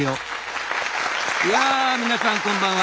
やあ皆さんこんばんは。